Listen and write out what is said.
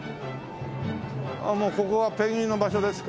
あっもうここはペンギンの場所ですか？